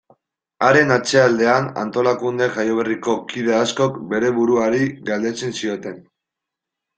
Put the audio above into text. Haren atzealdean, antolakunde jaioberriko kide askok bere buruari galdetzen zioten.